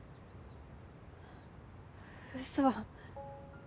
嘘。